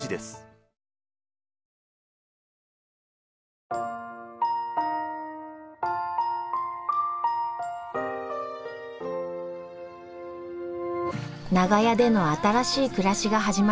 長屋での新しい暮らしが始まりました。